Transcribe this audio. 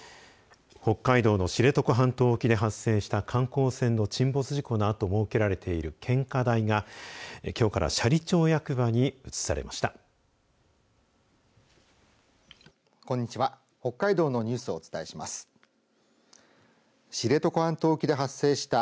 北海道の知床半島沖で発生した観光船の沈没事故のあと設けられている献花台がきょうから斜里町役場に移されました。